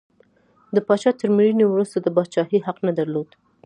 د پاچا تر مړینې وروسته د پاچاهۍ حق نه درلود.